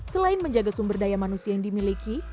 selain menjaga sumber daya manusia yang dimiliki